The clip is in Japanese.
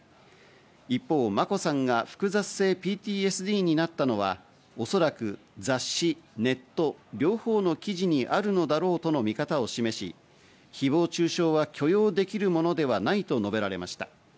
一方、眞子さんが複雑性ＰＴＳＤになったのは、おそらく雑誌、ネット両方の記事にあるのだろうとの見方を示し、誹謗中傷は許容できるものではないと述べられました。